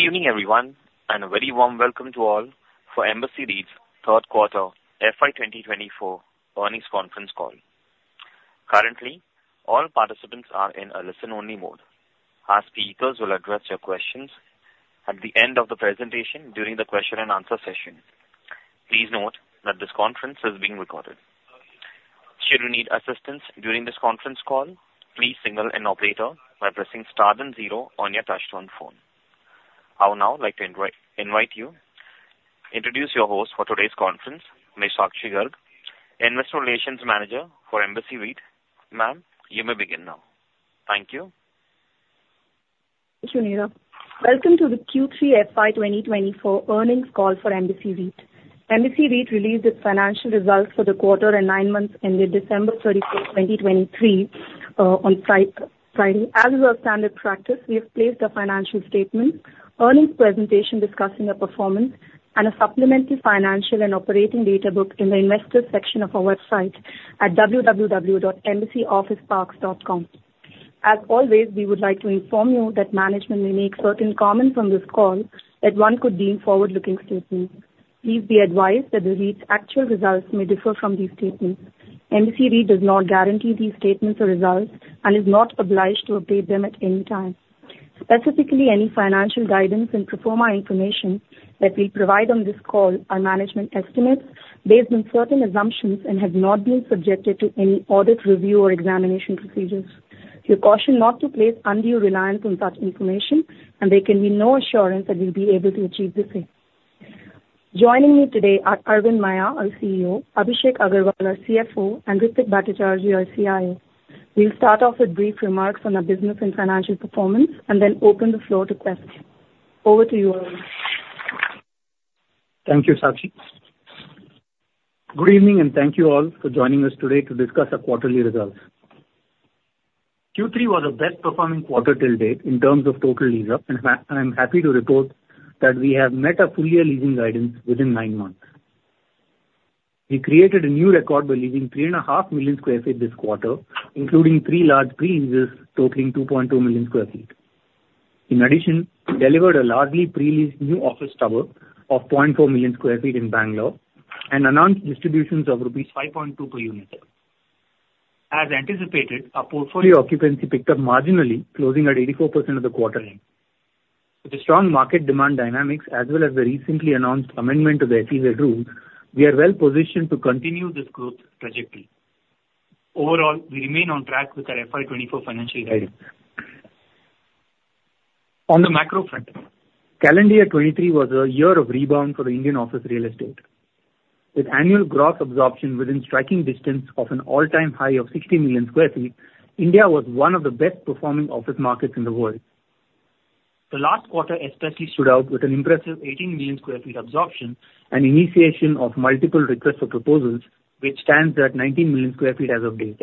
Good evening, everyone, and a very warm welcome to all for Embassy REIT's third quarter FY 2024 earnings conference call. Currently, all participants are in a listen-only mode. Our speakers will address your questions at the end of the presentation during the question and answer session. Please note that this conference is being recorded. Should you need assistance during this conference call, please signal an operator by pressing star then zero on your touchtone phone. I would now like to introduce your host for today's conference, Ms. Sakshi Garg, Investor Relations Manager for Embassy REIT. Ma'am, you may begin now. Thank you. Thank you, Neeraj. Welcome to the Q3 FY 2024 Earnings Call for Embassy REIT. Embassy REIT released its financial results for the quarter and nine months ended December 31, 2023, on Friday. As is our standard practice, we have placed a financial statement, earnings presentation discussing our performance, and a supplementary financial and operating data book in the investor section of our website at www.embassyofficeparks.com. As always, we would like to inform you that management may make certain comments on this call that one could deem forward-looking statements. Please be advised that the REIT's actual results may differ from these statements. Embassy REIT does not guarantee these statements or results and is not obliged to update them at any time. Specifically, any financial guidance and pro forma information that we provide on this call are management estimates based on certain assumptions and have not been subjected to any audit, review, or examination procedures. We caution not to place undue reliance on such information, and there can be no assurance that we'll be able to achieve the same. Joining me today are Aravind Maiya, our CEO, Abhishek Agrawal, our CFO, and Ritwik Bhattacharjee, our CIO. We'll start off with brief remarks on our business and financial performance, and then open the floor to questions. Over to you, Aravind. Thank you, Sakshi. Good evening, and thank you all for joining us today to discuss our quarterly results. Q3 was our best performing quarter to date in terms of total lease-up, and I'm happy to report that we have met our full year leasing guidance within nine months. We created a new record by leasing 3.5 million sq ft this quarter, including three large pre-leases totaling 2.2 MSF. In addition, we delivered a largely pre-leased new office tower of 0.4 MSF in Bangalore and announced distributions of rupees 5.2 per unit. As anticipated, our portfolio occupancy picked up marginally, closing at 84% at the quarter end. With the strong market demand dynamics, as well as the recently announced amendment to the SEZ rule, we are well positioned to continue this growth trajectory. Overall, we remain on track with our FY 2024 financial guidance. On the macro front, calendar year 2023 was a year of rebound for the Indian office real estate. With annual gross absorption within striking distance of an all-time high of 60 MSF, India was one of the best performing office markets in the world. The last quarter especially stood out with an impressive 18 MSF absorption and initiation of multiple requests for proposals, which stands at 19 MSF as of date.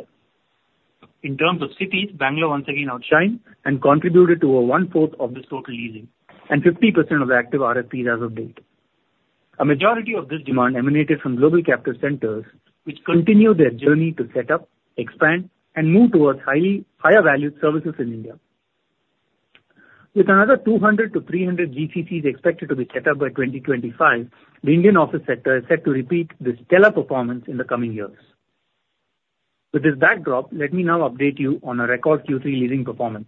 In terms of cities, Bangalore once again outshined and contributed to over one-fourth of the total leasing and 50% of the active RFPs as of date. A majority of this demand emanated from Global Capability Centers, which continue their journey to set up, expand, and move towards highly, higher value services in India. With another 200-300 GCCs expected to be set up by 2025, the Indian office sector is set to repeat this stellar performance in the coming years. With this backdrop, let me now update you on our record Q3 leasing performance.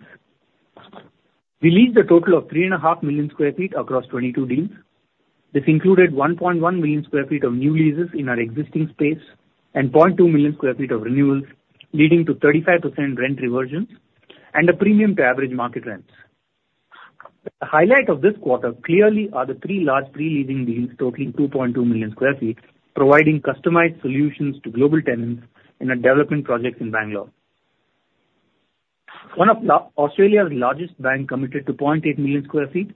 We leased a total of 3.5 MSF across 22 deals. This included 1.1 MSF of new leases in our existing space and 0.2 MSF of renewals, leading to 35% rent reversions and a premium to average market rents. The highlight of this quarter clearly are the three large pre-leasing deals totaling 2.2 MSF, providing customized solutions to global tenants in our development projects in Bangalore. One of Australia's largest bank committed to 0.8 MSF,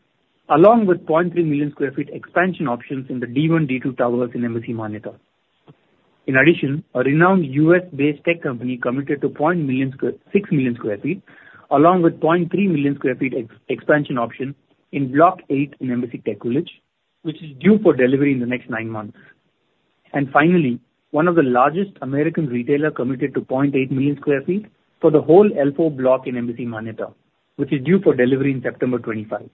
along with 0.3 MSF expansion options in the D1, D2 towers in Embassy Manyata. In addition, a renowned U.S.-based tech company committed to 0.6 MSF, along with 0.3 MSF expansion option in Block 8 in Embassy TechVillage, which is due for delivery in the next nine months. And finally, one of the largest American retailer committed to 0.8 MSF for the whole L4 block in Embassy Manyata, which is due for delivery in September 2025.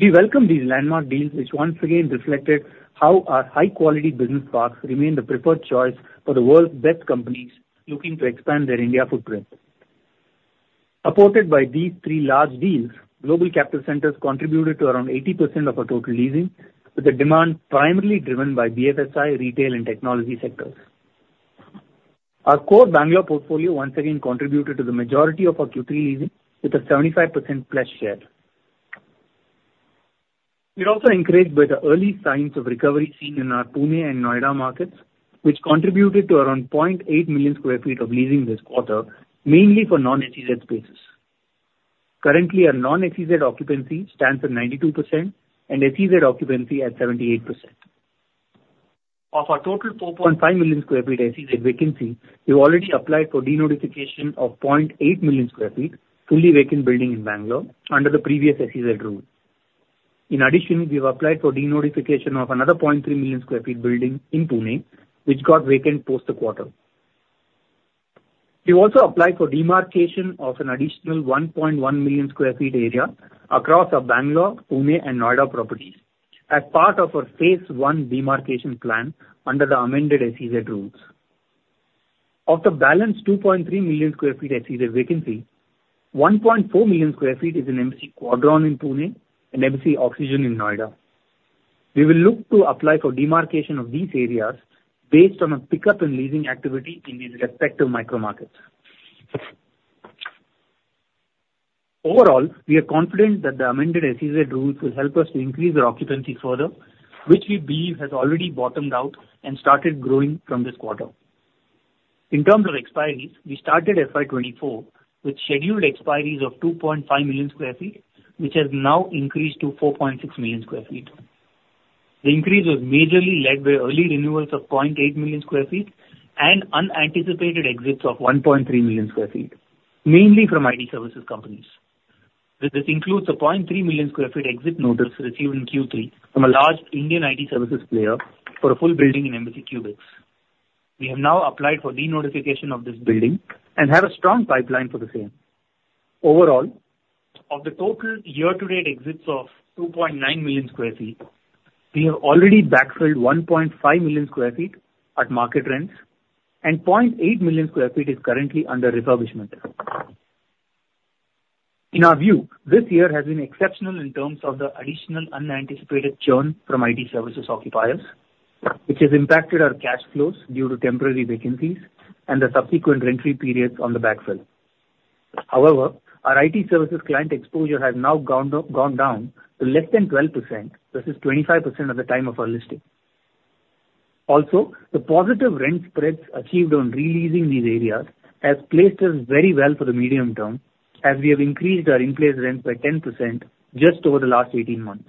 We welcome these landmark deals, which once again reflected how our high-quality business parks remain the preferred choice for the world's best companies looking to expand their India footprint. Supported by these three large deals, Global Capability Centers contributed to around 80% of our total leasing, with the demand primarily driven by BFSI, retail, and technology sectors. Our core Bangalore portfolio once again contributed to the majority of our Q3 leasing, with a 75%+ share. We're also encouraged by the early signs of recovery seen in our Pune and Noida markets, which contributed to around 0.8 MSF of leasing this quarter, mainly for non-SEZ spaces. Currently, our non-SEZ occupancy stands at 92% and SEZ occupancy at 78%. Of our total 4.5 MSF SEZ vacancy, we've already applied for denotification of 0.8 MSF fully vacant building in Bangalore under the previous SEZ rule. In addition, we've applied for denotification of another 0.3 MSF building in Pune, which got vacant post the quarter. We also applied for demarcation of an additional 1.1 MSF area across our Bengaluru, Pune, and Noida properties as part of our phase one demarcation plan under the amended SEZ rules. Of the balance 2.3 MSF SEZ vacancy, 1.4 MSF is in Embassy Quadron in Pune and Embassy Oxygen in Noida. We will look to apply for demarcation of these areas based on a pickup in leasing activity in these respective micro markets. Overall, we are confident that the amended SEZ rules will help us to increase our occupancy further, which we believe has already bottomed out and started growing from this quarter. In terms of expiries, we started FY 2024 with scheduled expiries of 2.5 MSF, which has now increased to 4.6 MSF. The increase was majorly led by early renewals of 0.8 MSF and unanticipated exits of 1.3 MSF, mainly from IT services companies. This includes a 0.3 MSF exit notice received in Q3 from a large Indian IT services player for a full building in Embassy Qubix. We have now applied for de-notification of this building and have a strong pipeline for the same. Overall, of the total year-to-date exits of 2.9 MSF, we have already backfilled 1.5 MSF at market rents, and 0.8 MSF is currently under refurbishment. In our view, this year has been exceptional in terms of the additional unanticipated churn from IT services occupiers, which has impacted our cash flows due to temporary vacancies and the subsequent rent-free periods on the backfill. However, our IT services client exposure has now gone down to less than 12%. This is 25% at the time of our listing. Also, the positive rent spreads achieved on re-leasing these areas has placed us very well for the medium term, as we have increased our in-place rent by 10% just over the last 18 months.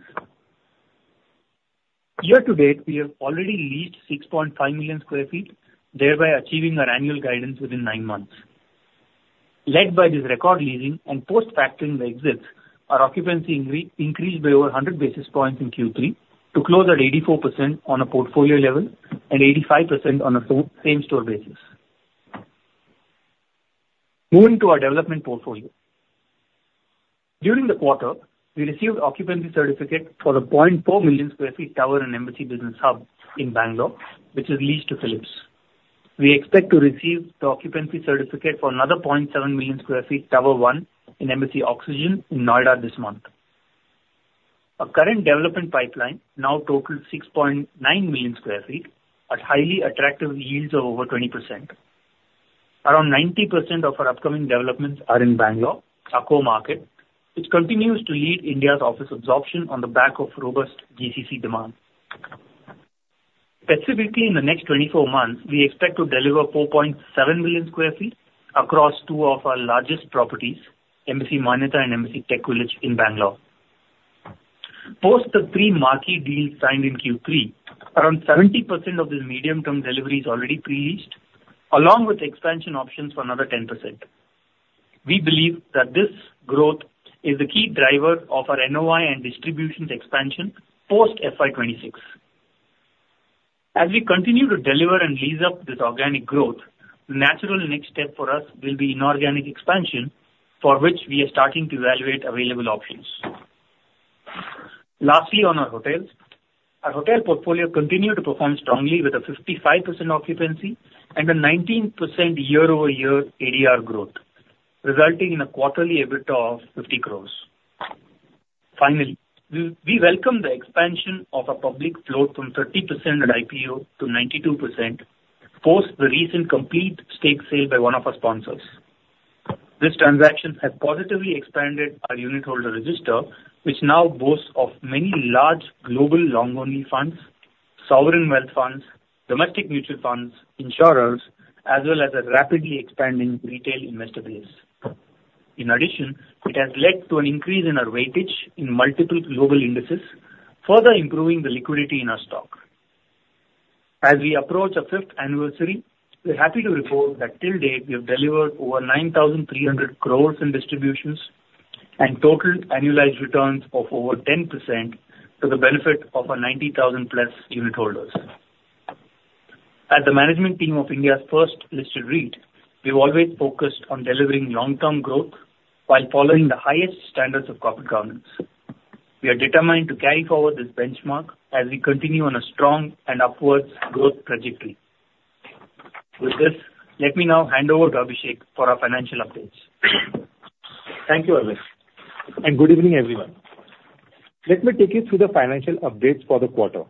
Year to date, we have already leased 6.5 MSF, thereby achieving our annual guidance within nine months. Led by this record leasing and post-factoring the exits, our occupancy increased by over 100 basis points in Q3 to close at 84% on a portfolio level and 85% on a same-store basis. Moving to our development portfolio. During the quarter, we received occupancy certificate for the 0.4 MSF tower and Embassy Business Hub in Bangalore, which is leased to Philips. We expect to receive the occupancy certificate for another 0.7 MSF, Tower One, in Embassy Oxygen in Noida this month. Our current development pipeline now totals 6.9 MSF at highly attractive yields of over 20%. Around 90% of our upcoming developments are in Bangalore, our core market, which continues to lead India's office absorption on the back of robust GCC demand. Specifically, in the next 24 months, we expect to deliver 4.7 MSF across two of our largest properties, Embassy Manyata and Embassy TechVillage in Bangalore. Post the three marquee deals signed in Q3, around 70% of these medium-term delivery is already pre-leased, along with expansion options for another 10%. We believe that this growth is the key driver of our NOI and distributions expansion post FY 2026. As we continue to deliver and lease up this organic growth, the natural next step for us will be inorganic expansion, for which we are starting to evaluate available options. Lastly, on our hotels. Our hotel portfolio continued to perform strongly, with a 55% occupancy and a 19% year-over-year ADR growth, resulting in a quarterly EBITDA of 50 crore. Finally, we welcome the expansion of our public float from 30% at IPO to 92% post the recent complete stake sale by one of our sponsors. This transaction has positively expanded our unit holder register, which now boasts of many large global long-only funds, sovereign wealth funds, domestic mutual funds, insurers, as well as a rapidly expanding retail investor base. In addition, it has led to an increase in our weightage in multiple global indices, further improving the liquidity in our stock. As we approach our fifth anniversary, we are happy to report that till date, we have delivered over 9,300 crores in distributions and total annualized returns of over 10% to the benefit of our 90,000+ unit holders. As the management team of India's first listed REIT, we've always focused on delivering long-term growth while following the highest standards of corporate governance. We are determined to carry forward this benchmark as we continue on a strong and upwards growth trajectory. With this, let me now hand over to Abhishek for our financial updates. Thank you, Aravind, and good evening, everyone. Let me take you through the financial updates for the quarter.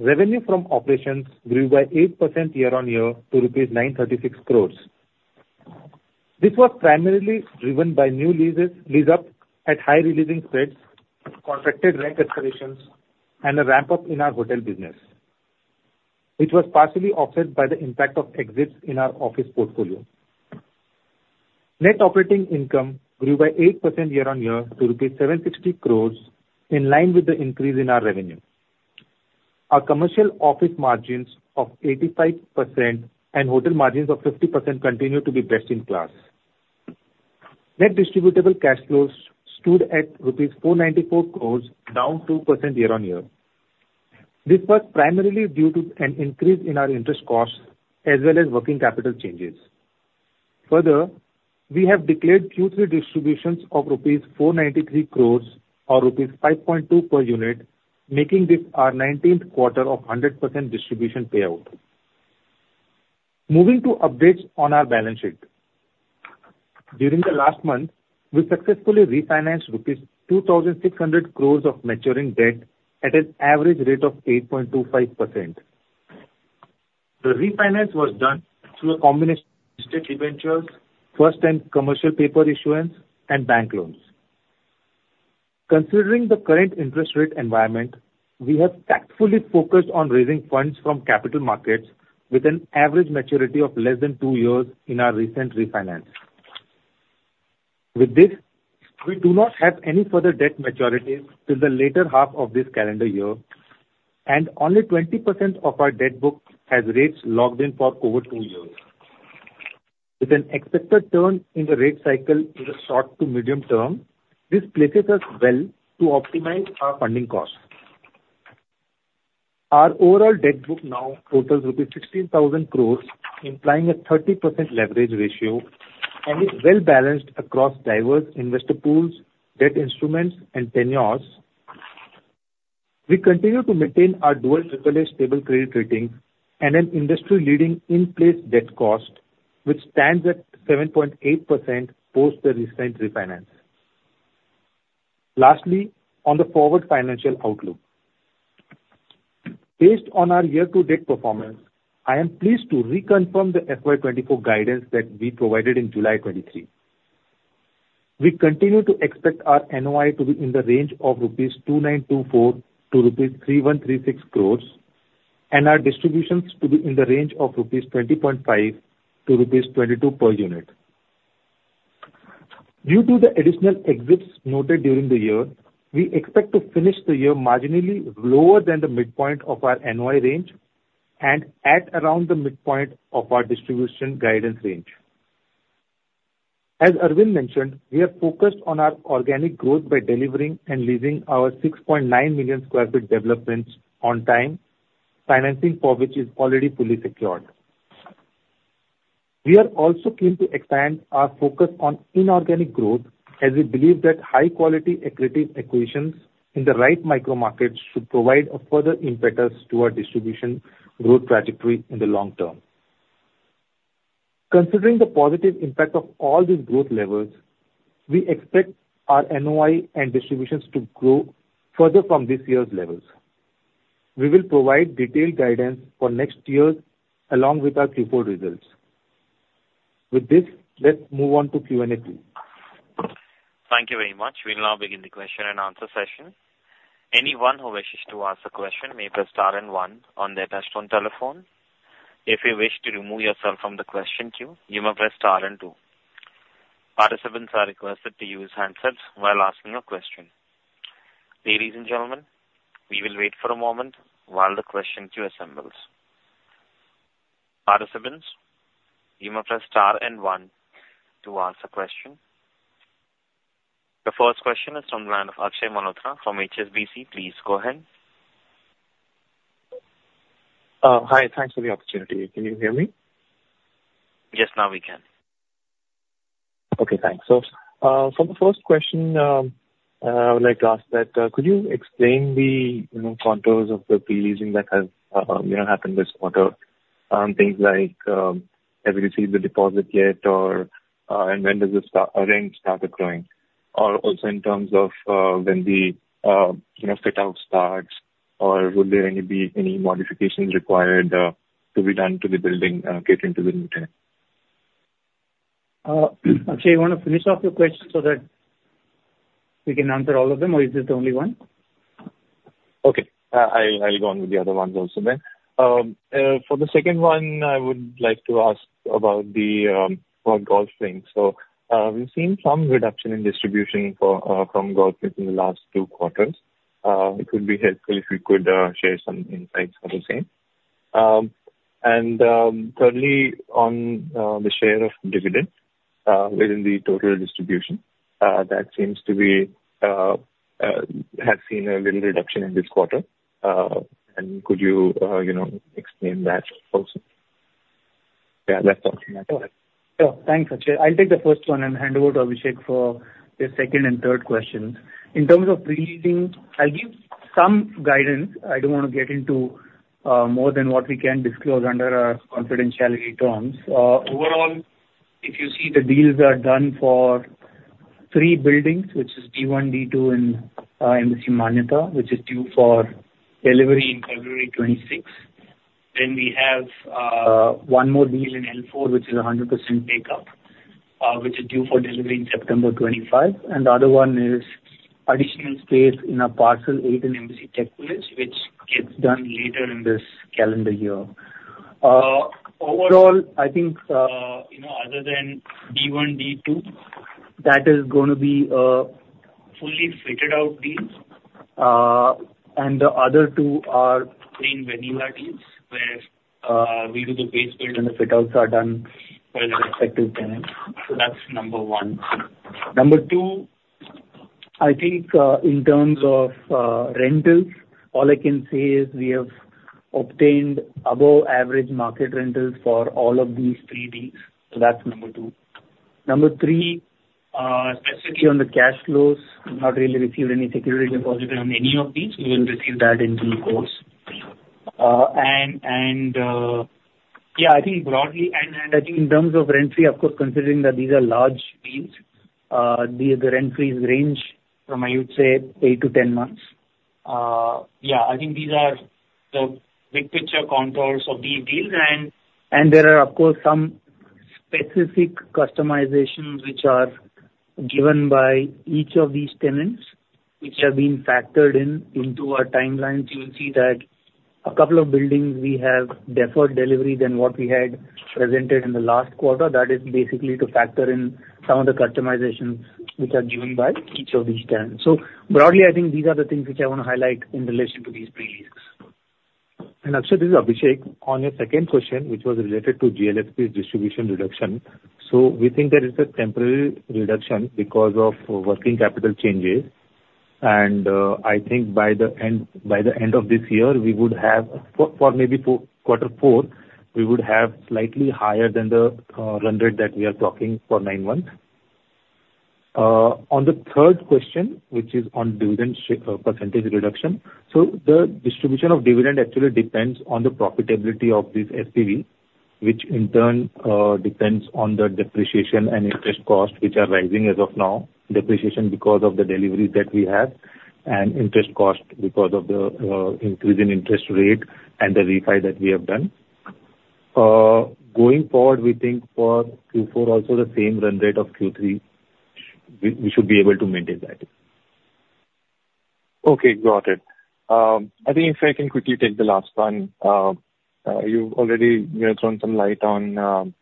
Revenue from operations grew by 8% year-on-year to rupees 936 crores. This was primarily driven by new leases, lease up at higher re-leasing spreads, contracted rent escalations, and a ramp-up in our hotel business. It was partially offset by the impact of exits in our office portfolio. Net operating income grew by 8% year-on-year to rupees 760 crores, in line with the increase in our revenue. Our commercial office margins of 85% and hotel margins of 50% continue to be best in class. Net distributable cash flows stood at rupees 494 crores, down 2% year-on-year. This was primarily due to an increase in our interest costs as well as working capital changes. Further, we have declared Q3 distributions of rupees 493 crore or rupees 5.2 per unit, making this our 19th quarter of 100% distribution payout. Moving to updates on our balance sheet. During the last month, we successfully refinanced rupees 2,600 crore of maturing debt at an average rate of 8.25%. The refinance was done through a combination of debentures, first-time commercial paper issuance and bank loans. Considering the current interest rate environment, we have tactfully focused on raising funds from capital markets with an average maturity of less than two years in our recent refinance. With this, we do not have any further debt maturities till the later half of this calendar year, and only 20% of our debt book has rates locked in for over two years. With an expected turn in the rate cycle in the short to medium term, this places us well to optimize our funding costs. Our overall debt book now totals rupees 16,000 crore, implying a 30% leverage ratio and is well balanced across diverse investor pools, debt instruments and tenures. We continue to maintain our dual AAA stable credit rating and an industry-leading in-place debt cost, which stands at 7.8% post the recent refinance. Lastly, on the forward financial outlook. Based on our year-to-date performance, I am pleased to reconfirm the FY 2024 guidance that we provided in July 2023. We continue to expect our NOI to be in the range of 2,924 crore-3,136 crore rupees, and our distributions to be in the range of 20.5-22 rupees per unit. Due to the additional exits noted during the year, we expect to finish the year marginally lower than the midpoint of our NOI range and at around the midpoint of our distribution guidance range. As Aravind mentioned, we are focused on our organic growth by delivering and leasing our 6.9 MSF developments on time, financing for which is already fully secured. We are also keen to expand our focus on inorganic growth, as we believe that high quality accretive acquisitions in the right micro-markets should provide a further impetus to our distribution growth trajectory in the long term. Considering the positive impact of all these growth levers, we expect our NOI and distributions to grow further from this year's levels. We will provide detailed guidance for next year's along with our Q4 results. With this, let's move on to Q&A please. Thank you very much. We'll now begin the question and answer session. Anyone who wishes to ask a question may press star and one on their touchtone telephone. If you wish to remove yourself from the question queue, you may press star and two. Participants are requested to use handsets while asking a question. Ladies and gentlemen, we will wait for a moment while the question queue assembles. Participants, you may press star and one to ask a question. The first question is from the line of Akshay Malhotra from HSBC. Please go ahead. Hi, thanks for the opportunity. Can you hear me? Yes, now we can. Okay, thanks. So, for the first question, I would like to ask that, could you explain the, you know, contours of the pre-leasing that has, you know, happened this quarter? Things like, have you received the deposit yet, or, and when does the rent start accruing? Or also in terms of, when the, you know, fit out starts, or would there be any modifications required, to be done to the building, getting to the new tenant? Akshay, you want to finish off your question so that we can answer all of them, or is this the only one? Okay, I'll go on with the other ones also then. For the second one, I would like to ask about for Golf Links. So, we've seen some reduction in distribution from Golf Links in the last two quarters. It would be helpful if you could share some insights on the same. And thirdly, on the share of dividend within the total distribution, that seems to have seen a little reduction in this quarter. And could you, you know, explain that also? Yeah, that's all. Sure. Thanks, Akshay. I'll take the first one and hand over to Abhishek for the second and third questions. In terms of pre-leasing, I'll give some guidance. I don't want to get into more than what we can disclose under our confidentiality terms. Overall, if you see the deals that are done for three buildings, which is D1, D2, and Embassy Manyata, which is due for delivery in February 2026. Then we have one more deal in L4, which is a 100% takeout, which is due for delivery in September 2025, and the other one is additional space in our Parcel 8 in Embassy TechVillage, which gets done later in this calendar year. Overall, I think, you know, other than D1, D2, that is gonna be a fully fitted out deal, and the other two are plain vanilla deals. We do the base build and the fit-outs are done by the respective tenants. So that's number one. Number two, I think, in terms of, rentals, all I can say is we have obtained above average market rentals for all of these pre-leases. So that's number two. Number three, specifically on the cash flows, we've not really received any security deposit on any of these. We will receive that in due course. And, and, yeah, I think broadly, and, and I think in terms of rent-free, of course, considering that these are large deals, the, the rent-free range from, I would say, eight to 10 months. Yeah, I think these are the big picture contours of these deals. And there are, of course, some specific customizations which are given by each of these tenants, which have been factored into our timelines. You will see that a couple of buildings we have deferred delivery than what we had presented in the last quarter. That is basically to factor in some of the customizations which are given by each of these tenants. So broadly, I think these are the things which I want to highlight in relation to these pre-leases. And Akshay, this is Abhishek. On your second question, which was related to GLSP's distribution reduction. So we think that it's a temporary reduction because of working capital changes. And I think by the end of this year, we would have for maybe fourth quarter we would have slightly higher than the run rate that we are talking for nine months. On the third question, which is on dividend percentage reduction. So the distribution of dividend actually depends on the profitability of this SPV, which in turn depends on the depreciation and interest costs, which are rising as of now. Depreciation because of the deliveries that we have, and interest cost because of the increase in interest rate and the refi that we have done. Going forward, we think for Q4 also the same run rate of Q3, we should be able to maintain that. Okay, got it. I think if I can quickly take the last one. You've already, you know, thrown some light on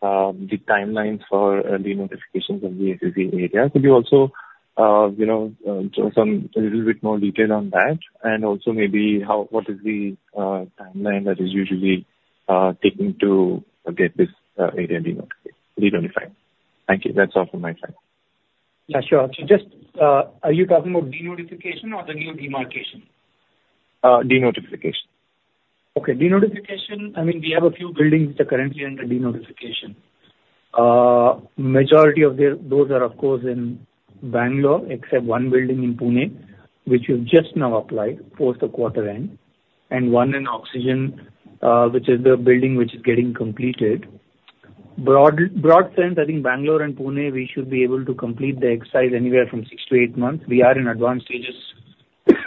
the timelines for the denotifications of the SEZ area. Could you also, you know, throw some a little bit more detail on that? And also maybe how, what is the, timeline that is usually, taken to get this, area denotified—denotified? Thank you. That's all from my side. Yeah, sure. So just, are you talking about denotification or the new demarcation? Denotification. Okay. Denotification, I mean, we have a few buildings which are currently under denotification. Majority of their, those are, of course, in Bangalore, except one building in Pune, which we've just now applied towards the quarter end, and one in Oxygen, which is the building which is getting completed. Broad, broad sense, I think Bangalore and Pune, we should be able to complete the exercise anywhere from six to eight months. We are in advanced stages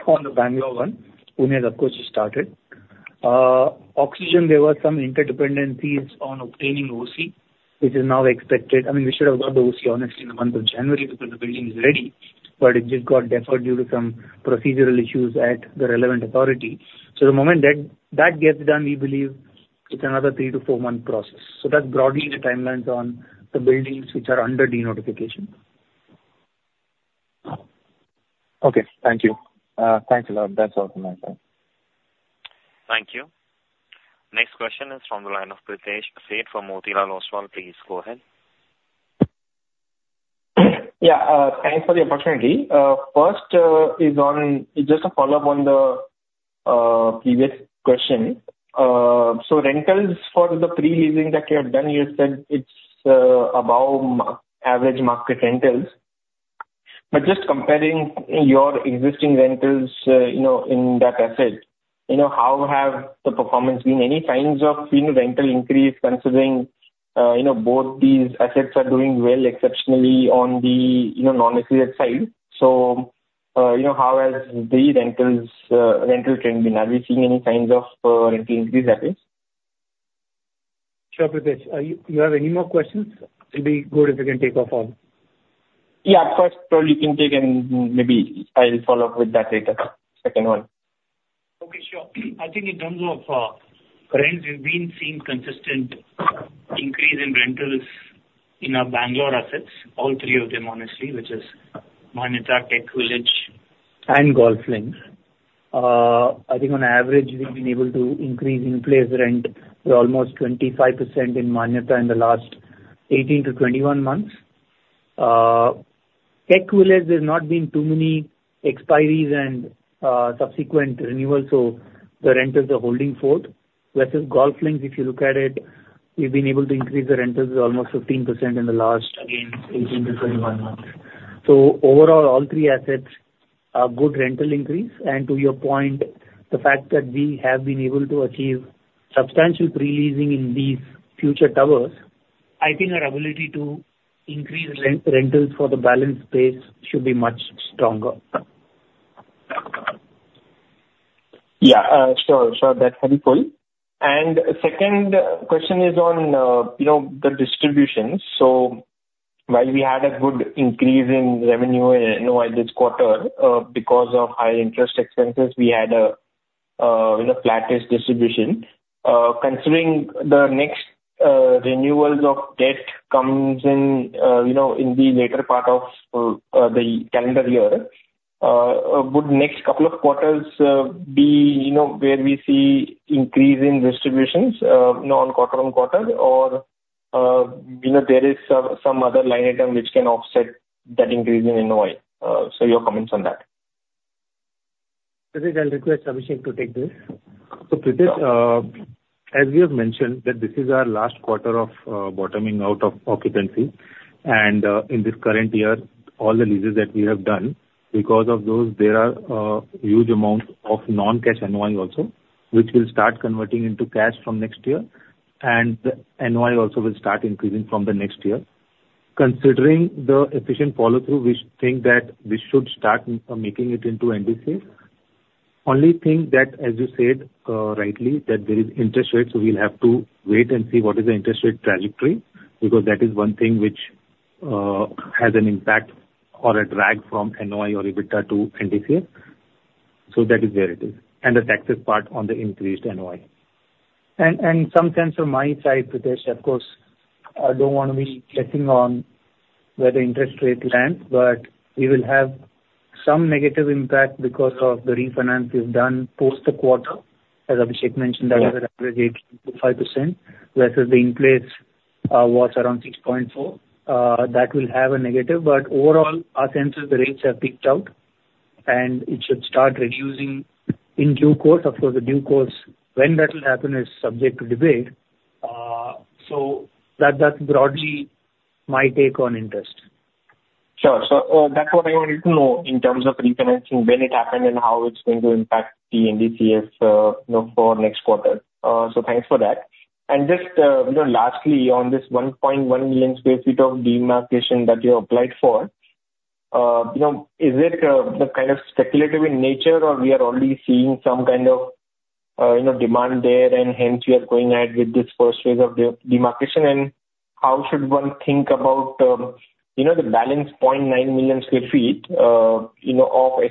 on the Bangalore one. Pune, of course, has started. Oxygen, there were some interdependencies on obtaining OC, which is now expected... I mean, we should have got the OC honestly in the month of January, because the building is ready, but it just got deferred due to some procedural issues at the relevant authority. So the moment that, that gets done, we believe it's another three to four month process. So that's broadly the timelines on the buildings which are under denotification. Okay. Thank you. Thanks a lot. That's all from my side. Thank you. Next question is from the line of Pritesh Sheth from Motilal Oswal. Please go ahead. Yeah, thanks for the opportunity. First, is on, just a follow-up on the previous question. So rentals for the pre-leasing that you have done, you said it's above average market rentals. But just comparing your existing rentals, you know, in that asset, you know, how have the performance been? Any signs of, you know, rental increase, considering, you know, both these assets are doing well exceptionally on the, you know, non-lease web side. So, you know, how has the rentals, rental trend been? Are we seeing any signs of rental increase at this? Sure, Pritesh. You have any more questions? It'll be good if we can take off all. Yeah, of course. So you can take and maybe I'll follow up with that later, second one. Okay, sure. I think in terms of, rents, we've been seeing consistent increase in rentals in our Bangalore assets, all three of them, honestly, which is Manyata, TechVillage and GolfLinks. I think on average, we've been able to increase in-place rent by almost 25% in Manyata in the last 18-21 months. TechVillage, there's not been too many expiries and, subsequent renewals, so the rentals are holding forth. Versus GolfLinks, if you look at it, we've been able to increase the rentals almost 15% in the last, again, 18-21 months. So overall, all three assets are good rental increase. And to your point, the fact that we have been able to achieve substantial pre-leasing in these future towers, I think our ability to increase rent- rentals for the balance space should be much stronger. Yeah, sure, sure. That's very cool. And second question is on, you know, the distribution. So while we had a good increase in revenue, you know, at this quarter, because of high interest expenses, we had a, you know, flattish distribution. Considering the next renewals of debt comes in, you know, in the later part of the calendar year. Would next couple of quarters be, you know, where we see increase in distributions, you know, on quarter on quarter? Or, you know, there is some other line item which can offset that increase in NOI. So your comments on that. Pritesh, I'll request Abhishek to take this. So Pritesh, as we have mentioned, that this is our last quarter of bottoming out of occupancy, and in this current year, all the leases that we have done, because of those, there are huge amounts of non-cash NOI also, which will start converting into cash from next year. And NOI also will start increasing from the next year. Considering the efficient follow-through, we think that we should start making it into NDCF. Only thing that, as you said rightly, that there is interest rates, we'll have to wait and see what is the interest rate trajectory, because that is one thing which has an impact or a drag from NOI or EBITDA to NDCF. So that is where it is, and the taxes part on the increased NOI. Some sense from my side, Pritesh, of course, I don't want to be guessing on where the interest rate lands, but we will have some negative impact because of the refinance we've done post the quarter. As Abhishek mentioned, that was at average 85%, whereas the in place was around 6.4%. That will have a negative, but overall, our sense is the rates have peaked out, and it should start reducing in due course. Of course, the due course, when that will happen is subject to debate. So that, that's broadly my take on interest. Sure. So, that's what I wanted to know in terms of refinancing, when it happened and how it's going to impact the NDCF, you know, for next quarter. So thanks for that. And just, you know, lastly, on this 1.1 MSF of demarcation that you applied for, you know, is it kind of speculative in nature, or we are already seeing some kind of, you know, demand there, and hence you are going ahead with this first phase of demarcation? And how should one think about, you know, the balance 0.9 MSF of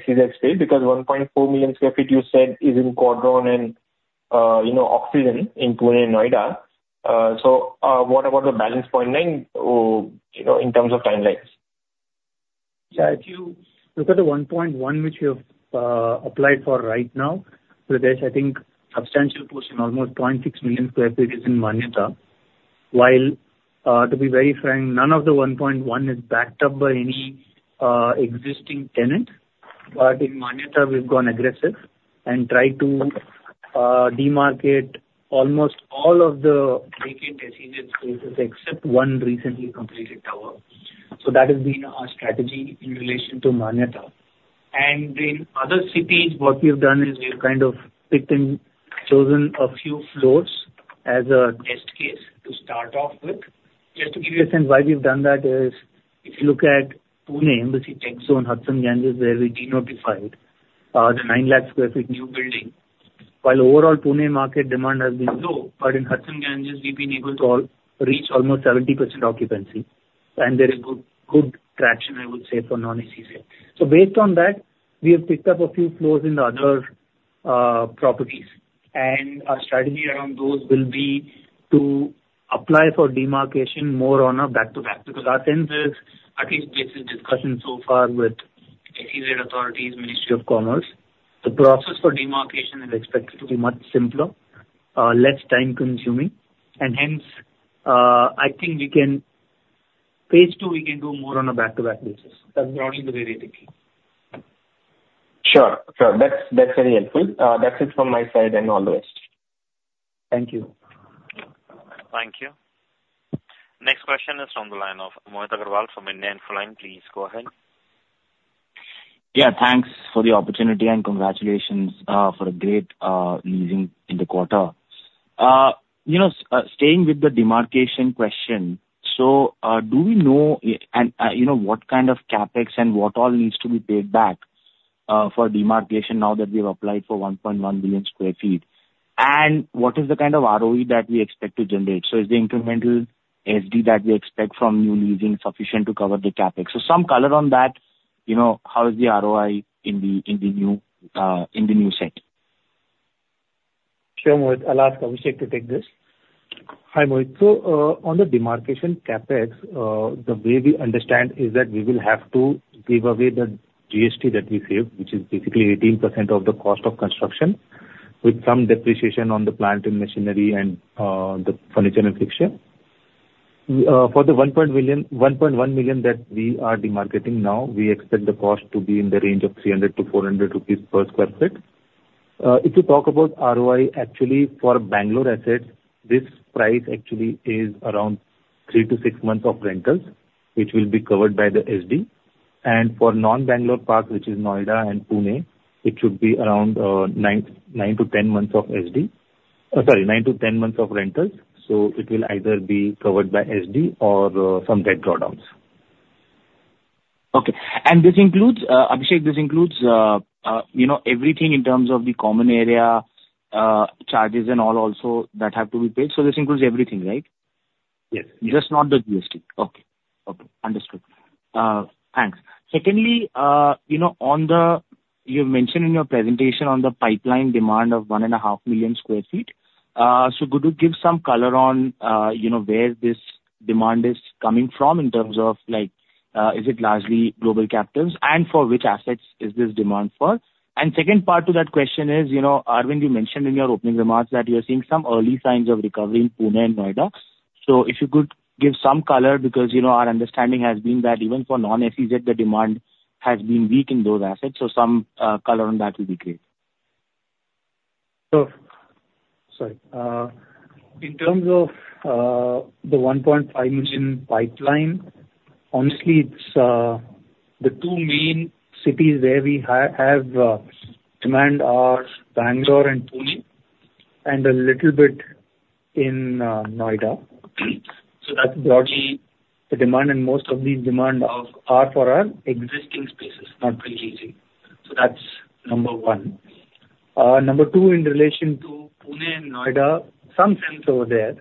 SEZ space? Because 1.4 MSF, you said, is in Quadron and, you know, Oxygen in Pune and Noida. What about the balance 0.9, you know, in terms of timelines? Yeah, if you look at the 1.1 MSF which you have applied for right now, Pritesh, I think substantial portion, almost 0.6 MSF, is in Manyata. While, to be very frank, none of the 1.1 MSF is backed up by any existing tenant. But in Manyata we've gone aggressive and tried to demarket almost all of the vacant SEZ spaces except one recently completed tower. So that has been our strategy in relation to Manyata. And in other cities, what we have done is we have kind of picked and chosen a few floors as a test case to start off with. Just to give you a sense why we've done that is, if you look at Pune, Embassy TechZone Hudson Ganges, where we denotified the 900,000 sq ft new building, while overall Pune market demand has been low, but in Hudson Ganges we've been able to already reach almost 70% occupancy, and there is good, good traction, I would say, for non-SEZ. So based on that, we have picked up a few floors in the other properties, and our strategy around those will be to apply for demarcation more on a back-to-back, because our sense is, at least based on discussions so far with SEZ authorities, Ministry of Commerce, the process for demarcation is expected to be much simpler, less time-consuming, and hence, I think we can... phase two, we can do more on a back-to-back basis. That's broadly the way we are thinking. Sure. Sure. That's, that's very helpful. That's it from my side, and all the best. Thank you. Thank you. Next question is from the line of Mohit Agrawal from India Infoline. Please go ahead. Yeah, thanks for the opportunity, and congratulations for a great leasing in the quarter. You know, staying with the demarcation question, so do we know, and you know, what kind of CapEx and what all needs to be paid back for demarcation now that we have applied for 1.1 billion sq ft? And what is the kind of ROE that we expect to generate? So is the incremental SD that we expect from new leasing sufficient to cover the CapEx? So some color on that, you know, how is the ROI in the, in the new, in the new set? Sure, Mohit. I'll ask Abhishek to take this. Hi, Mohit. On the demarcation CapEx, the way we understand is that we will have to give away the GST that we saved, which is basically 18% of the cost of construction, with some depreciation on the plant and machinery and the furniture and fixtures. For the 1 million, 1.1 million that we are demarcating now, we expect the cost to be in the range of 300-400 rupees per sq ft. If you talk about ROI, actually, for Bangalore assets, this price actually is around three to six months of rentals, which will be covered by the SD. For non-Bangalore parks, which is Noida and Pune, it should be around nine to 10 months of SD. Sorry, nine to 10 months of rentals. It will either be covered by SD or some debt drawdowns. Okay. And this includes, Abhishek, this includes, you know, everything in terms of the common area, charges and all also that have to be paid? So this includes everything, right? Yes. Just not the GST. Okay. Okay. Understood. Thanks. Secondly, you know, on the you mentioned in your presentation on the pipeline demand of 1.5 MSF. So could you give some color on, you know, where this demand is coming from in terms of like, is it largely global capitals? And for which assets is this demand for? And second part to that question is, you know, Aravind, you mentioned in your opening remarks that you are seeing some early signs of recovery in Pune and Noida. So if you could give some color, because, you know, our understanding has been that even for non-SEZ, the demand has been weak in those assets. So some color on that will be great. So, sorry. In terms of the 1.5 million pipeline, honestly, it's the two main cities where we have demand are Bangalore and Pune, and a little bit in Noida. So that's broadly the demand, and most of the demand are for our existing spaces, not pre-leasing. So that's number one. Number two, in relation to Pune and Noida, some sense over there,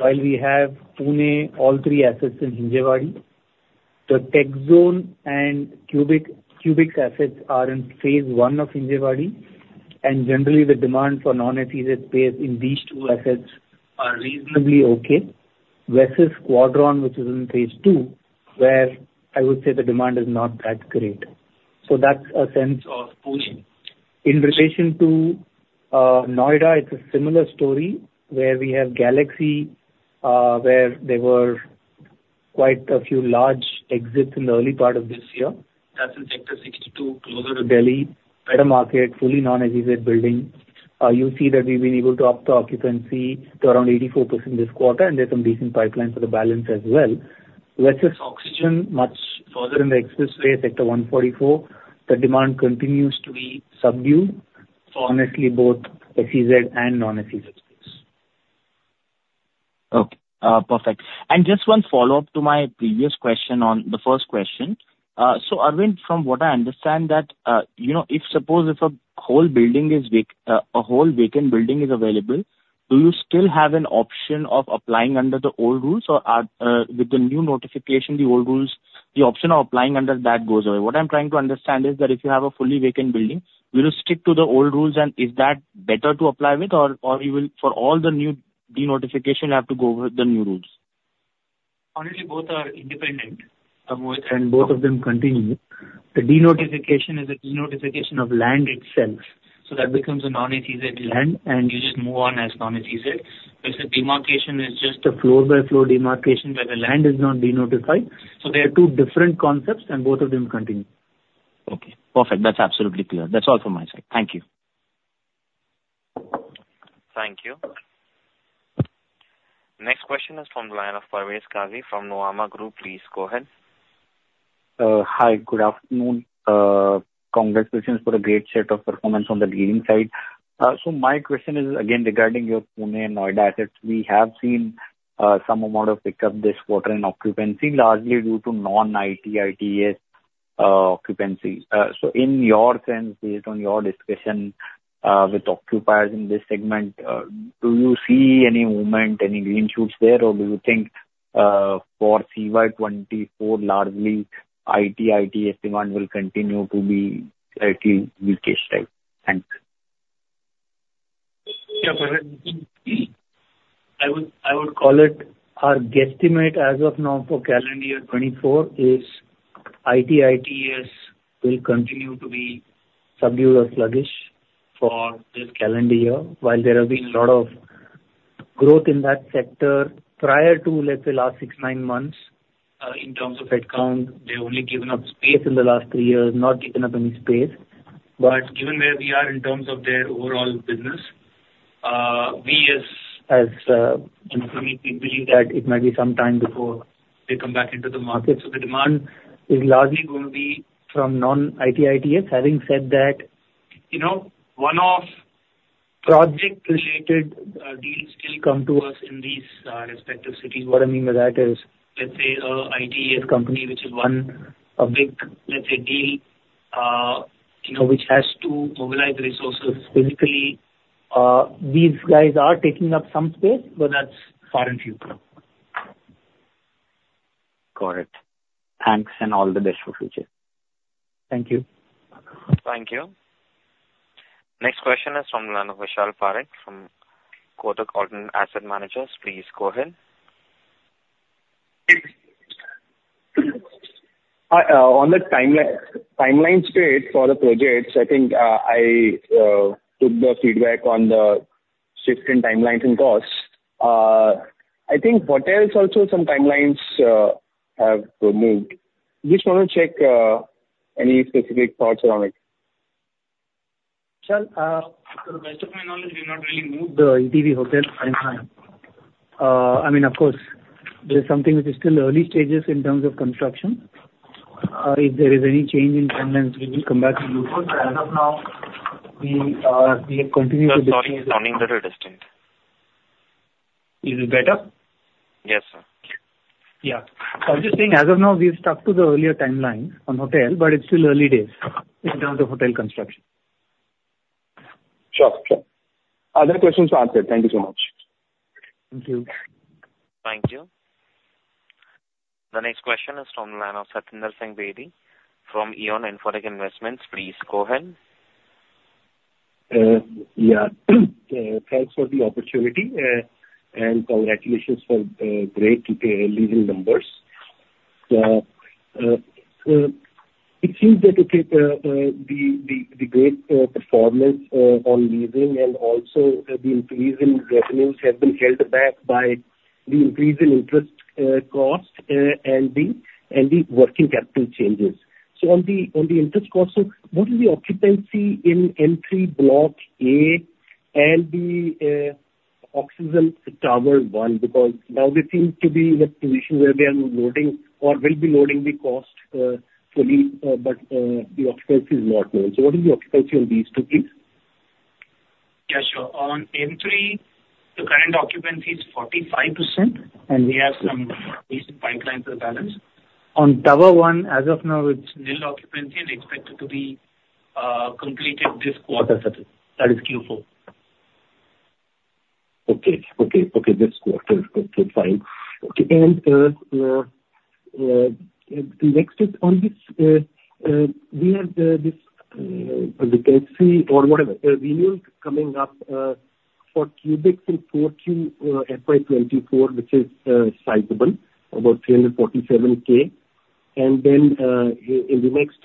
while we have Pune, all three assets in Hinjawadi, the TechZone and Qubix, Qubix assets are in phase one of Hinjawadi, and generally the demand for non-SEZ space in these two assets are reasonably okay, versus Quadron, which is in phase two, where I would say the demand is not that great. So that's a sense of Pune. In relation to Noida, it's a similar story, where we have Galaxy, where there were quite a few large exits in the early part of this year. That's in Sector 62, closer to Delhi, better market, fully non-SEZ building. You'll see that we've been able to up the occupancy to around 84% this quarter, and there's some decent pipeline for the balance as well. Versus Oxygen, much further in the expressway, Sector 144, the demand continues to be subdued, so honestly, both SEZ and non-SEZ space. Okay, perfect. And just one follow-up to my previous question on the first question. So, Aravind, from what I understand that, you know, if suppose if a whole building is vac- a whole vacant building is available, do you still have an option of applying under the old rules? Or are, with the new notification, the old rules, the option of applying under that goes away. What I'm trying to understand is that if you have a fully vacant building, will you stick to the old rules, and is that better to apply with? Or, or you will for all the new de-notification, you have to go with the new rules? Honestly, both are independent, and both of them continue. The denotification is a denotification of land itself, so that becomes a non-SEZ land, and you just move on as non-SEZ. If the demarcation is just a floor-by-floor demarcation, where the land is not denotified. So they are two different concepts, and both of them continue. Okay, perfect. That's absolutely clear. That's all from my side. Thank you. Thank you. Next question is from the line of Parvez Qazi from Nuvama Group. Please go ahead. Hi, good afternoon. Congratulations for the great set of performance on the leasing side. So my question is again regarding your Pune and Noida assets. We have seen some amount of pickup this quarter in occupancy, largely due to non-IT/ITS occupancy. So in your sense, based on your discussion with occupiers in this segment, do you see any movement, any green shoots there? Or do you think, for CY 2024, largely, IT/ITS demand will continue to be slightly weakish, right? Thanks. Yeah, Parvez. I would, I would call it our guesstimate as of now for calendar year 2024 is IT/ITES will continue to be subdued or sluggish for this calendar year. While there have been a lot of growth in that sector prior to, let's say, last six, nine months, in terms of headcount, they've only given up space in the last three years, not given up any space. But given where we are in terms of their overall business, we as management believe that it might be some time before they come back into the market. So the demand is largely going to be from non-IT/ITES. Having said that, you know, one-off project related deals still come to us in these respective cities. What I mean by that is, let's say, an IT/ITES company which has won a big, let's say, deal, you know, which has to mobilize resources physically, these guys are taking up some space, but that's far in future. Got it. Thanks, and all the best for future. Thank you. Thank you. Next question is from Vishal Parekh, from Kotak Alternate Asset Managers. Please go ahead. On the timeline, timeline state for the projects, I think I took the feedback on the shift in timelines and costs. I think hotels also, some timelines have moved. Just want to check any specific thoughts around it? Sure. To the best of my knowledge, we've not really moved the ETV hotel timeline. I mean, of course, there is something which is still early stages in terms of construction. If there is any change in timelines, we will come back to you. But as of now, we have continued to- Sir, sorry, it's sounding a little distant. Is it better? Yes, sir. Yeah. I'm just saying as of now, we've stuck to the earlier timeline on hotel, but it's still early days in terms of hotel construction. Sure, sure. Other questions answered. Thank you so much. Thank you. Thank you. The next question is from the line of Satinder Singh Bedi, from Eon Infotech Investments. Please go ahead. Yeah. Thanks for the opportunity, and congratulations for great leasing numbers. It seems that the great performance on leasing and also the increase in revenues have been held back by the increase in interest costs, and the working capital changes. So on the interest costs, what is the occupancy in M3 Block A and the Oxygen Tower One? Because now they seem to be in a position where they are loading or will be loading the cost fully, but the occupancy is not known. So what is the occupancy on these two, please? Yeah, sure. On M3, the current occupancy is 45%, and we have some basic pipeline to the balance. On Tower One, as of now, it's nil occupancy and expected to be completed this quarter, Satinder. That is Q4. Okay. Okay, okay. This quarter. Okay, fine. Okay, and the next is on this, we have this renewals coming up for Qubix in 4Q FY 2024, which is sizable, about 347K. And then in the next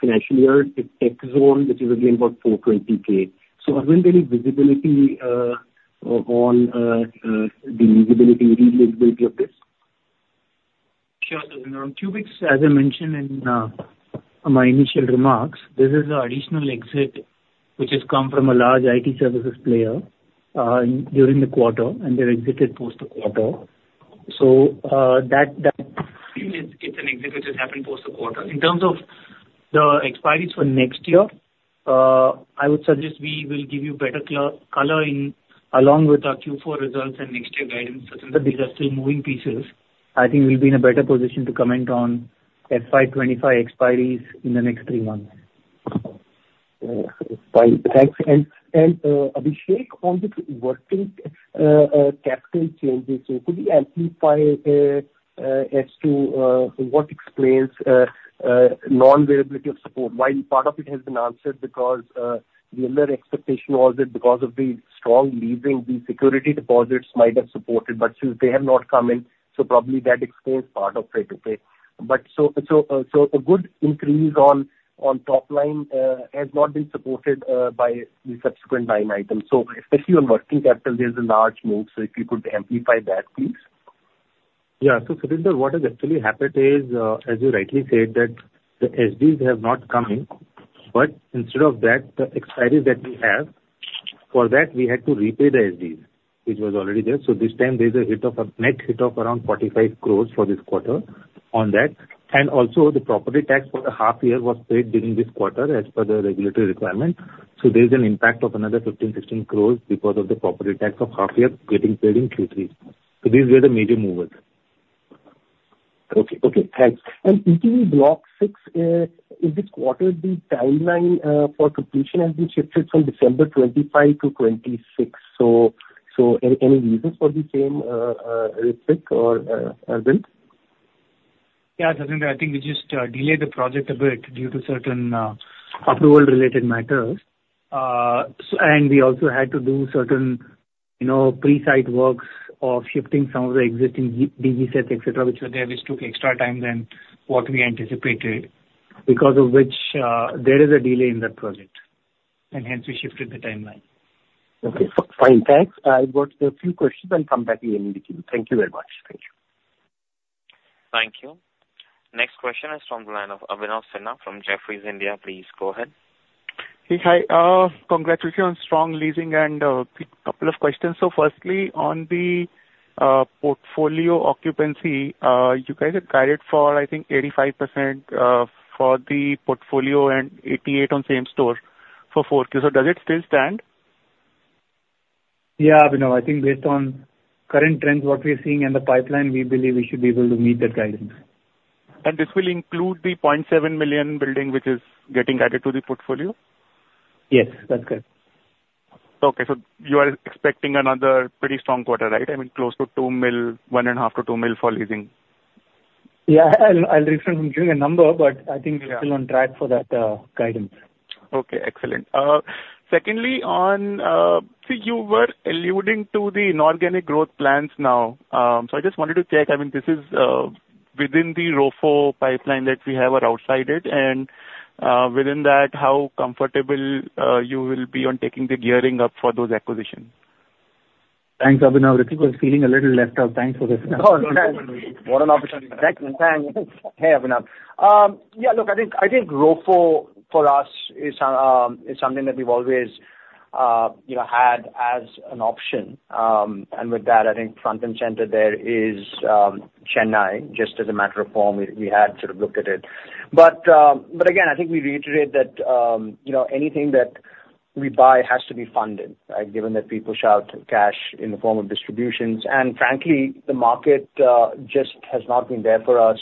financial year, TechZone, which is again about 420K. So aren't there any visibility on the visibility, re-visibility of this? Sure, Satinder. On Qubix, as I mentioned in my initial remarks, this is an additional exit which has come from a large IT services player during the quarter, and they've exited post the quarter. So, that, that, it's an exit which has happened post the quarter. In terms of the expiries for next year, I would suggest we will give you better color in along with our Q4 results and next year guidance, Satinder, because they are still moving pieces. I think we'll be in a better position to comment on FY 2025 expiries in the next three months. Fine. Thanks. And Abhishek, on the working capital changes, so could you amplify as to what explains non-availability of support? While part of it has been answered because the other expectation was that because of the strong leasing, the security deposits might have supported, but since they have not come in, so probably that explains part of it, okay. But so a good increase on top line has not been supported by the subsequent line items. So especially on working capital, there's a large move, so if you could amplify that, please. Yeah. So Satinder, what has actually happened is, as you rightly said, that the SDs have not come in, but instead of that, the expiries that we have, for that, we had to repay the SDs, which was already there. So this time there's a hit of a, net hit of around 45 crore for this quarter on that. And also, the property tax for the half year was paid during this quarter, as per the regulatory requirement. So there is an impact of another 15-16 crore because of the property tax of half year getting paid in Q3. So these were the major movers. Okay. Okay, thanks. And in Block 6, in this quarter, the timeline for completion has been shifted from December 2025 to 2026. So, any reasons for the same, Ritwik or Aravind? Yeah, Satinder, I think we just delayed the project a bit due to certain approval related matters. And we also had to do certain, you know, pre-site works of shifting some of the existing DB sets, et cetera, which were there, which took extra time than what we anticipated, because of which there is a delay in that project, and hence we shifted the timeline. Okay. Fine, thanks. I've got a few questions and come back to you in a little. Thank you very much. Thank you. Thank you. Next question is from the line of Abhinav Sinha from Jefferies India. Please go ahead. Hey, hi. Congratulations on strong leasing, and a couple of questions. So firstly, on the portfolio occupancy, you guys had guided for, I think, 85% for the portfolio and 88% on same store for 4Q. So does it still stand? Yeah, Abhinav. I think based on current trends, what we are seeing in the pipeline, we believe we should be able to meet that guidance. This will include the 0.7 million building, which is getting added to the portfolio? Yes, that's correct. Okay, so you are expecting another pretty strong quarter, right? I mean, close to 2 MSF, 1.5 MSF-2 MSF for leasing. Yeah, I'll refrain from giving a number, but I think we're still on track for that, guidance. Okay, excellent. Secondly, on, so you were alluding to the inorganic growth plans now. So I just wanted to check, I mean, this is, within the ROFO pipeline that we have or outside it? And, within that, how comfortable, you will be on taking the gearing up for those acquisitions? Thanks, Abhinav. Ritwik was feeling a little left out. Thanks for this. No, thanks. What an opportunity. Thanks. Thanks. Hey, Abhinav. Yeah, look, I think, I think ROFO, for us, is, is something that we've always, you know, had as an option. And with that, I think front and center there is, Chennai, just as a matter of form, we, we had sort of looked at it. But, but again, I think we reiterate that, you know, anything that we buy has to be funded, right? Given that we push out cash in the form of distributions. And frankly, the market, just has not been there for us,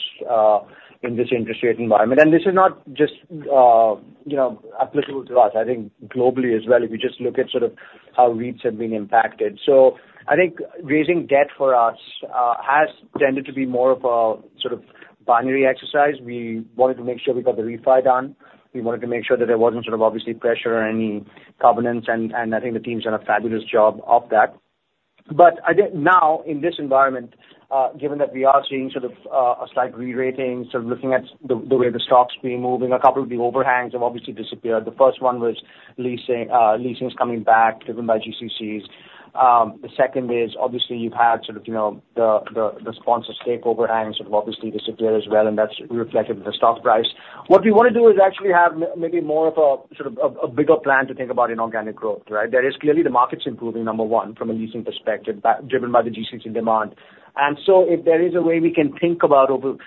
in this interest rate environment. And this is not just, you know, applicable to us. I think globally as well, if you just look at sort of, our REITs have been impacted. So I think raising debt for us has tended to be more of a sort of binary exercise. We wanted to make sure we got the refi done. We wanted to make sure that there wasn't sort of obviously pressure or any covenants, and I think the team's done a fabulous job of that. But I think now, in this environment, given that we are seeing sort of a slight rerating, sort of looking at the way the stock's been moving, a couple of the overhangs have obviously disappeared. The first one was leasing coming back, driven by GCCs. The second is obviously you've had sort of, you know, the sponsor stake overhangs have obviously disappeared as well, and that's reflected in the stock price. What we want to do is actually have maybe more of a sort of a bigger plan to think about inorganic growth, right? There is clearly the market's improving, number one, from a leasing perspective, driven by the GCC demand. And so if there is a way we can think about, you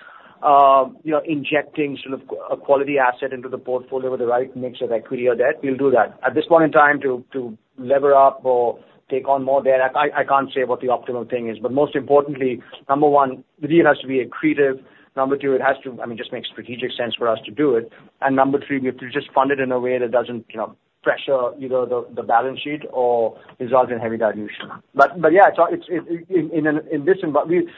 know, injecting sort of a quality asset into the portfolio with the right mix of equity or debt, we'll do that. At this point in time, to lever up or take on more debt, I can't say what the optimal thing is. But most importantly, number one, the deal has to be accretive. Number two, it has to, I mean, just make strategic sense for us to do it. And number three, we have to just fund it in a way that doesn't, you know, pressure either the balance sheet or result in heavy dilution. But yeah, it's in this environment.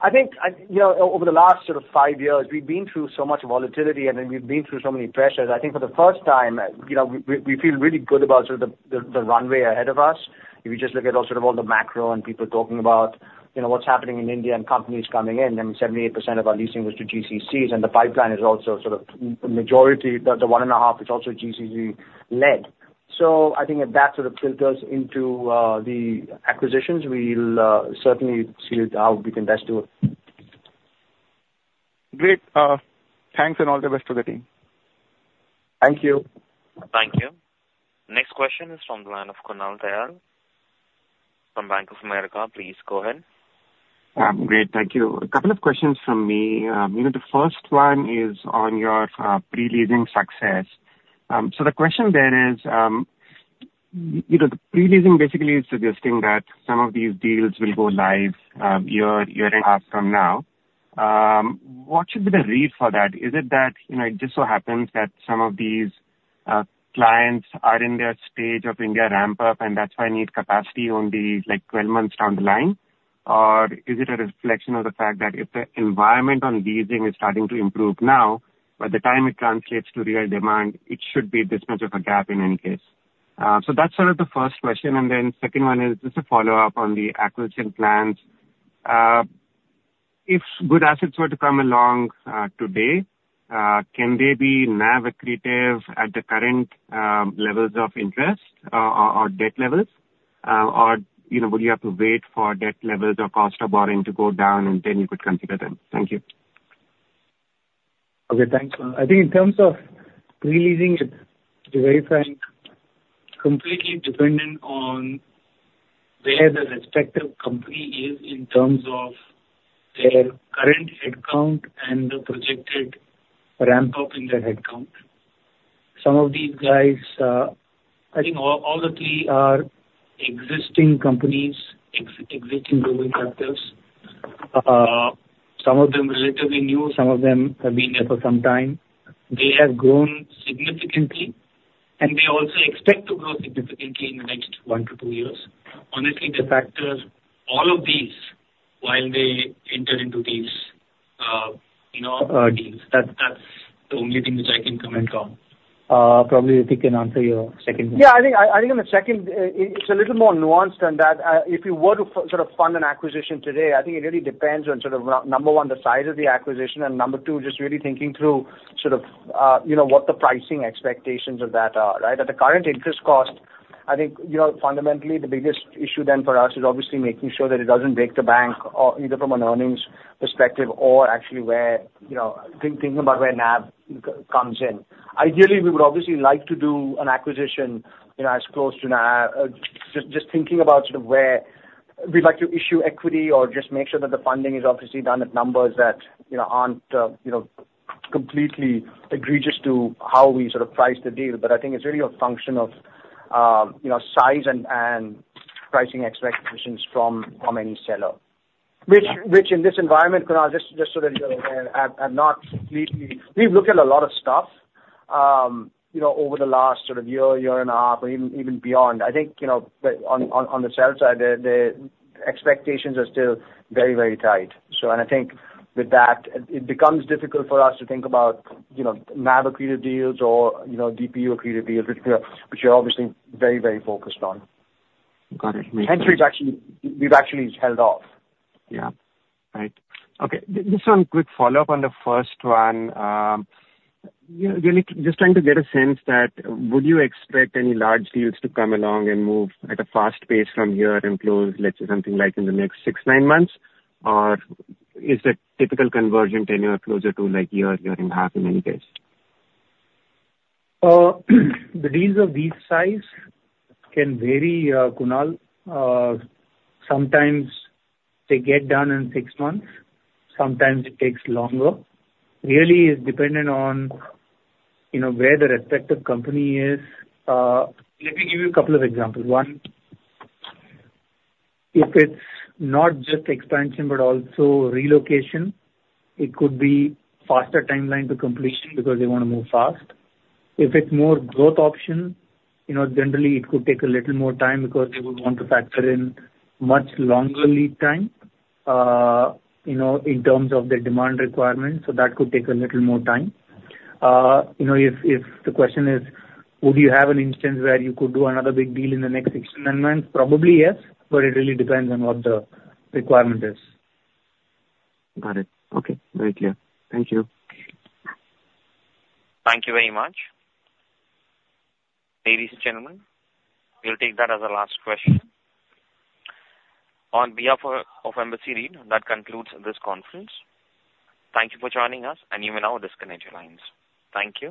I think, you know, over the last sort of five years, we've been through so much volatility, and then we've been through so many pressures. I think for the first time, you know, we feel really good about sort of the runway ahead of us. If you just look at all sort of the macro and people talking about, you know, what's happening in India and companies coming in, and 78% of our leasing goes to GCCs, and the pipeline is also sort of majority, the 1.5 is also GCC-led. So I think if that sort of filters into the acquisitions, we'll certainly see how we can best do it. Great. Thanks and all the best to the team. Thank you. Thank you. Next question is from the line of Kunal Tayal from Bank of America. Please go ahead. Great. Thank you. A couple of questions from me. You know, the first one is on your pre-leasing success. So the question then is, you know, the pre-leasing basically is suggesting that some of these deals will go live, year, year and a half from now. What should be the read for that? Is it that, you know, it just so happens that some of these clients are in their stage of India ramp up, and that's why need capacity only, like, 12 months down the line? Or is it a reflection of the fact that if the environment on leasing is starting to improve now, by the time it translates to real demand, it should be this much of a gap in any case? So that's sort of the first question. Second one is just a follow-up on the acquisition plans. If good assets were to come along, today, can they be NAV accretive at the current, levels of interest, or, or debt levels? Or, you know, would you have to wait for debt levels or cost of borrowing to go down and then you could consider them? Thank you. Okay, thanks. I think in terms of pre-leasing, it's very, very completely dependent on where the respective company is in terms of their current headcount and the projected ramp up in their headcount. Some of these guys, I think all the three are existing companies, existing global captives. Some of them are relatively new, some of them have been there for some time. They have grown significantly, and they also expect to grow significantly in the next one to two years. Honestly, the factors, all of these, while they enter into these, you know, deals, that's the only thing which I can comment on. Probably Ritwik can answer your second question. Yeah, I think on the second, it's a little more nuanced than that. If you were to sort of fund an acquisition today, I think it really depends on sort of number one, the size of the acquisition, and number two, just really thinking through sort of, you know, what the pricing expectations of that are, right? At the current interest cost, I think, you know, fundamentally, the biggest issue then for us is obviously making sure that it doesn't break the bank or either from an earnings perspective or actually where, you know, think, thinking about where NAV comes in. Ideally, we would obviously like to do an acquisition, you know, as close to NAV. Just, just thinking about sort of where we'd like to issue equity or just make sure that the funding is obviously done at numbers that, you know, aren't, you know, completely egregious to how we sort of price the deal. But I think it's really a function of, you know, size and, and pricing expectations from, from any seller. Which, which in this environment, Kunal, just, just so that you're aware, I'm, I'm not completely—We've looked at a lot of stuff, you know, over the last sort of year, year and a half, or even, even beyond. I think, you know, but on, on, on the sell side, the, the expectations are still very, very tight. So and I think with that, it, it becomes difficult for us to think about, you know, NAV accretive deals or, you know, DPU accretive deals, which we are, which we're obviously very, very focused on. Got it. Actually, we've actually held off. Yeah. Right. Okay, just one quick follow-up on the first one. You know, really just trying to get a sense that would you expect any large deals to come along and move at a fast pace from here and close, let's say, something like in the next six, nine months? Or is the typical conversion tenure closer to, like, year, year and a half in any case? The deals of this size can vary, Kunal. Sometimes they get done in six months, sometimes it takes longer. Really, it's dependent on, you know, where the respective company is. Let me give you a couple of examples. One, if it's not just expansion but also relocation, it could be faster timeline to completion because they want to move fast. If it's more growth option, you know, generally, it could take a little more time because they would want to factor in much longer lead time, you know, in terms of the demand requirements, so that could take a little more time. You know, if the question is: Would you have an instance where you could do another big deal in the next six to nine months? Probably, yes, but it really depends on what the requirement is. Got it. Okay. Very clear. Thank you. Thank you very much. Ladies and gentlemen, we'll take that as our last question. On behalf of Embassy REIT, that concludes this conference. Thank you for joining us, and you may now disconnect your lines. Thank you.